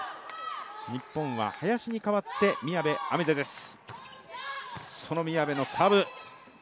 日本は林に代わって宮部愛芽世です。